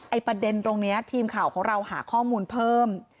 ประเด็นตรงนี้ทีมข่าวของเราหาข้อมูลเพิ่ม